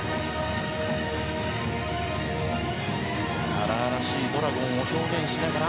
荒々しいドラゴンを表現しながら。